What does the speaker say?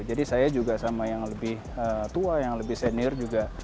jadi saya juga sama yang lebih tua yang lebih senior juga